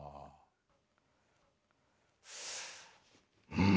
うん。